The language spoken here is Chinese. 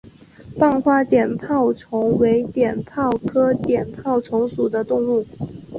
棒花碘泡虫为碘泡科碘泡虫属的动物。